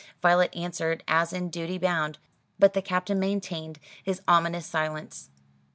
Violet answered, as in duty bound; but the Captain maintained his ominous silence.